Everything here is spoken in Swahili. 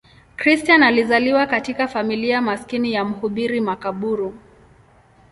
Christian alizaliwa katika familia maskini ya mhubiri makaburu.